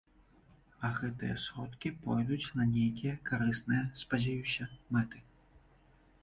А гэтыя сродкі пойдуць на нейкія карысныя, спадзяюся, мэты.